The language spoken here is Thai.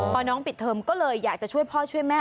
พอน้องปิดเทอมก็เลยอยากจะช่วยพ่อช่วยแม่